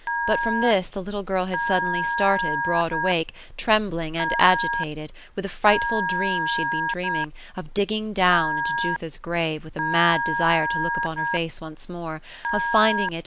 But from this, the little girl had suddenly started, broad awake, trembling and agitated, with a frightful dream she had been dreaming ; of digging down into Jutha's grave, with a mad de sire to look upon her face once more, — of finding it.